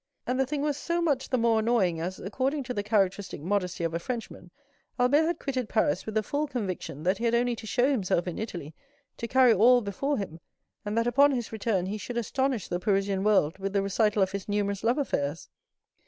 And the thing was so much the more annoying, as, according to the characteristic modesty of a Frenchman, Albert had quitted Paris with the full conviction that he had only to show himself in Italy to carry all before him, and that upon his return he should astonish the Parisian world with the recital of his numerous love affairs.